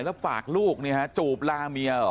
แล้วฝากลูกนี่ฮะจูบลาเมียเหรอ